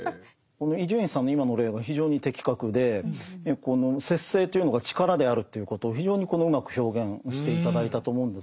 伊集院さんの今の例は非常に的確でこの節制というのが力であるということを非常にうまく表現して頂いたと思うんです。